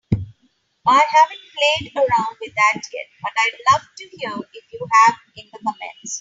I haven't played around with that yet, but I'd love to hear if you have in the comments.